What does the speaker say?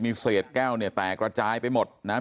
มีเศษแก้วเนี่ยแตกระจายไปหมดนะครับ